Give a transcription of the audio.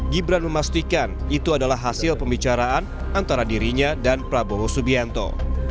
gibran memastikan itu adalah hasil pembicaraan antara dirinya dan prabowo subianto